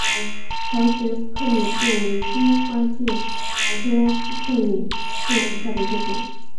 乔玄副克里介为荆花介科副克里介属下的一个种。